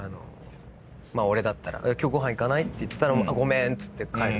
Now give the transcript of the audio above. まあ俺だったら今日ご飯行かない？って言ったら「ごめん」っつって帰るの？